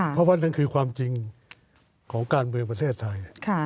เพราะว่านั่นคือความจริงของการเมืองประเทศไทย